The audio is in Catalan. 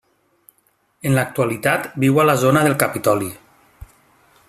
En l'actualitat viu a la zona del Capitoli.